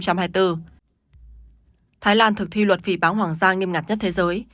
thái lan thực thi luật phì báo hoàng gia nghiêm ngặt nhất thế giới